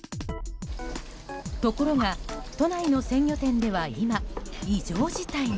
ところが都内の鮮魚店では今、異常事態が。